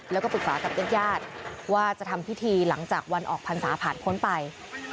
แล้วก็ปรึกษากับญาติญาติว่าจะทำพิธีหลังจากวันออกพรรษาผ่านพ้นไป